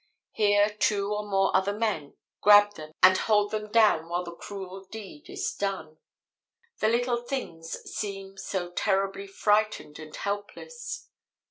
Here two or more other men grab them and hold them down while the cruel deed is done. The little things seem so terribly frightened and helpless.